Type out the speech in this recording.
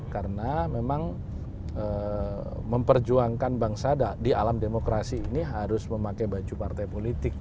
karena memang memperjuangkan bangsa di alam demokrasi ini harus memakai baju partai politik